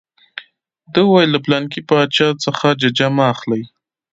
ده وویل له پلانکي باچا څخه ججه مه اخلئ.